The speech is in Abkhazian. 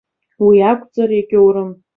Уи акәзар егьоурым.